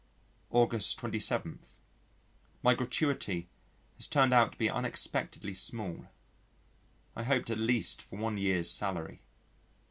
August 27. My gratuity has turned out to be unexpectedly small. I hoped at least for one year's salary.